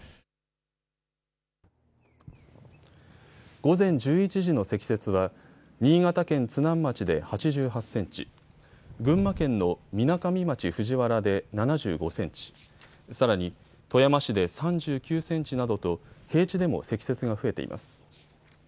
午前１１時の積雪は新潟県津南町で８８センチ、群馬県のみなかみ町藤原で７５センチ、さらに富山市で３９センチなどと平地でも積雪が増えています。